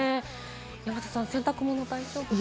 山里さん、洗濯物、大丈夫ですか？